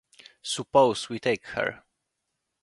Suppose we take her.